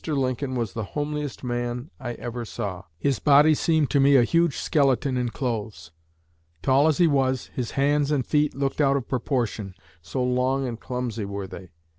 Lincoln was the homeliest man I ever saw. His body seemed to me a huge skeleton in clothes. Tall as he was, his hands and feet looked out of proportion, so long and clumsy were they.